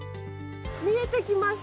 見えてきました！